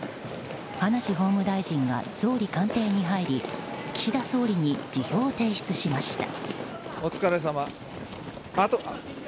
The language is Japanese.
葉梨法務大臣が総理官邸に入り岸田総理に辞表を提出しました。